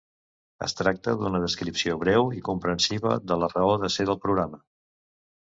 Es tracta d'una descripció breu i comprensiva de la raó de ser del programa.